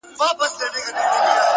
زه د شرابيانو قلندر تر ملا تړلى يم؛